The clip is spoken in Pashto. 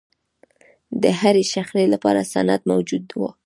د هرې شخړې لپاره سند موجود و.